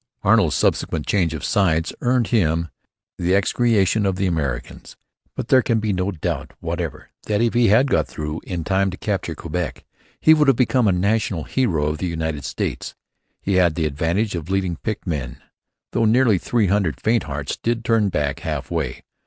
Arnold's subsequent change of sides earned him the execration of the Americans. But there can be no doubt whatever that if he had got through in time to capture Quebec he would have become a national hero of the United States. He had the advantage of leading picked men; though nearly three hundred faint hearts did turn back half way.